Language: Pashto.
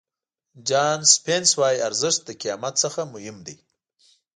جان سپینس وایي ارزښت له قیمت څخه مهم دی.